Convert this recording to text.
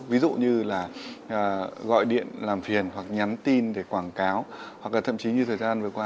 ví dụ như là gọi điện làm phiền hoặc nhắn tin để quảng cáo hoặc là thậm chí như thời gian vừa qua